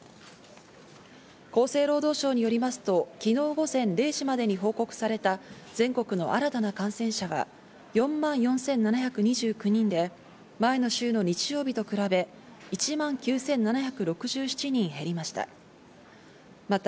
厚生労働省によりますと昨日午前０時までに報告された全国の新たな感染者は、４万４７２９人で、前の週の日曜日と比べ、１万９７６７人減りました。